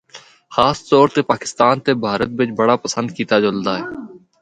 خاص طور تے پاکستان تے بھارت بچ بڑا پسند کیتا جلدا ہے۔